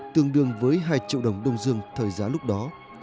tương đương với hai triệu đồng đông dương thời giá lúc đó